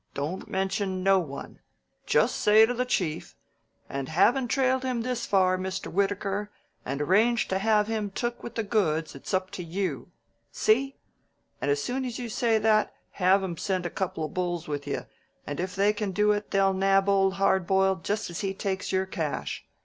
Don't mention no one. Just say to the Chief: 'And havin' trailed him this far, Mr. Wittaker, and arranged to have him took with the goods, it's up to you?' See? And as soon as you say that, have him send a couple of bulls with you, and if they can do it, they'll nab Old Hard Boiled just as he takes your cash.